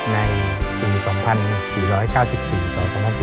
ในปี๒๔๙๔ต่อ๒๐๑๙